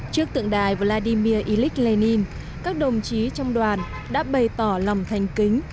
trước tượng đài vladimir ilyich lenin các đồng chí trong đoàn đã bày tỏ lòng thành kính